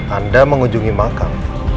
anda mengunjungi makam